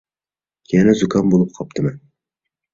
يەنە زۇكام بولۇپ قاپتىمەن.